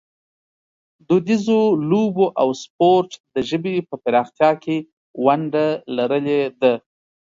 دودیزو لوبو او سپورټ د ژبې په پراختیا کې ونډه لرلې ده.